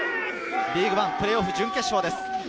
リーグワンプレーオフ準決勝です。